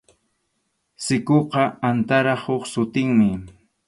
Sikuqa antarap huk sutinmi.